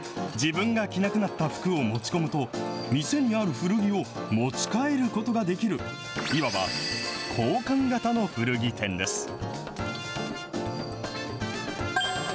自分が着なくなった服を持ち込むと、店にある古着を持ち帰ることができる、いわば交換型の古着店です。